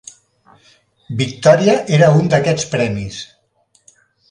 "Victoria" era un d'aquests premis.